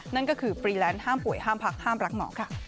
นั่นก็คือฟรีแลนซ์ห้ามป่วยห้ามพักห้ามรักหมอค่ะ